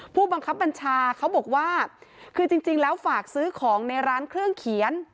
ผู้บังคับบัญชาเขาบอกว่าคือจริงแล้วฝากซื้อของในร้านเครื่องเขียน